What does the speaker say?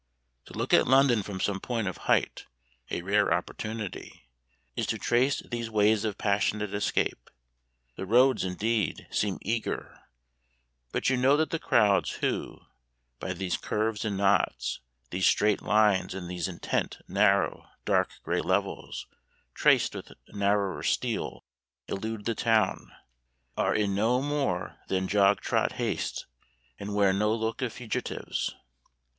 To look at London from some point of height a rare opportunity is to trace these ways of passionate escape. The roads, indeed, seem eager, but you know that the crowds who, by these curves and knots, these straight lines, and these intent, narrow, dark grey levels, traced with narrower steel, elude the town, are in no more than jog trot haste, and wear no look of fugitives.